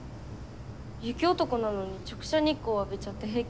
雪男なのに直射日光を浴びちゃって平気なんですか？